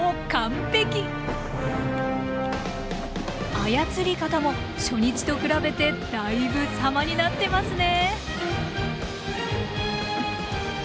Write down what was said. あやつり方も初日と比べてだいぶさまになってますね。